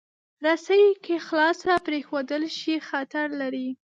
رسۍ که خلاصه پرېښودل شي، خطر لري.